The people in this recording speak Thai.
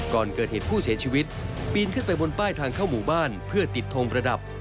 ก่อนเกิดเหตุผู้เสียชีวิตปีนขึ้นไปบนป้ายทางเข้าหมู่บ้านเพื่อติดทงประดับ